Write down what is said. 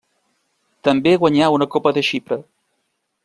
També guanyà una copa de Xipre.